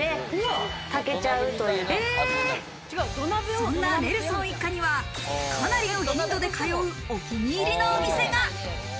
そんなネルソン一家にはかなりの頻度で通うお気に入りのお店が。